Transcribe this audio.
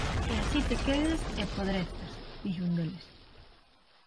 “E así te quedes –e podrezas,” dixo un deles.